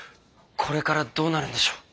これからどうなるんでしょう？